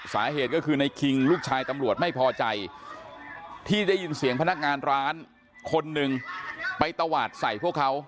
สาเหตุก็คือในคิงลูกชายตำรวจไม่พอใจที่ได้ยินเสียงพนักงานร้านคนหนึ่งไปตวาดใส่พวกเขา